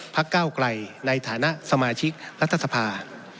ผักเก้าไกลในสมาชิกรัฐศพาฯ